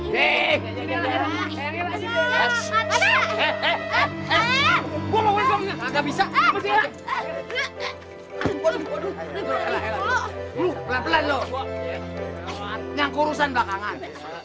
pelan pelan loh nyangkuran bakangan